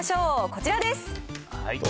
こちらです。